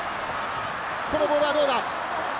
このボールはどうだ？